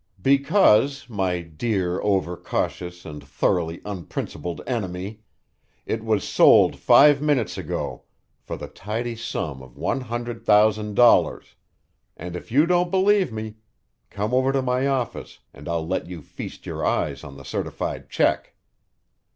"Because, my dear, overcautious, and thoroughly unprincipled enemy, it was sold five minutes ago for the tidy sum of one hundred thousand dollars, and if you don't believe me, come over to my office and I'll let you feast your eyes on the certified check."